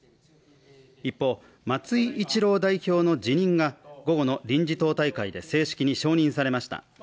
一方、松井一郎代表の辞任が午後の臨時党大会で正式に承認されました。